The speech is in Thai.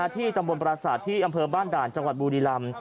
ที่ตำบลปราศาสตร์ที่อำเภอบ้านด่านจังหวัดบุรีรำ